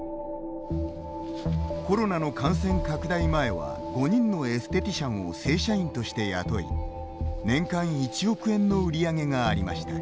コロナの感染拡大前は５人のエステティシャンを正社員として雇い年間１億円の売り上げがありました。